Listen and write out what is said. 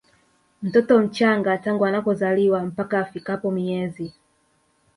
mtoto mchanga tangu anapozaliwa mpaka afikapo miezi